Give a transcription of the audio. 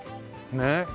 ねえ。